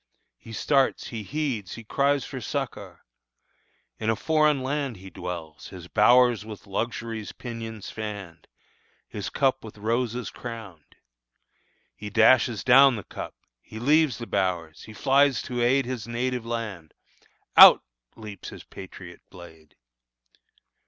He starts, he heeds Her cries for succor. In a foreign land He dwells; his bowers with luxury's pinions fanned, His cup with roses crowned. He dashes down The cup, he leaves the bowers; he flies to aid His native land. Out leaps his patriot blade!